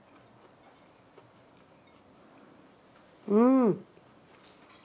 うん！